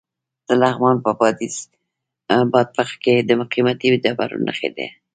د لغمان په بادپخ کې د قیمتي ډبرو نښې دي.